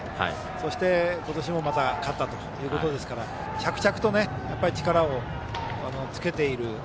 そして、今年もまた勝ったということですから着々と力をつけている。